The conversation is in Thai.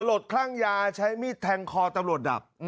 ลดคลั่งยาใช้มีดแทงคอตำรวจดับ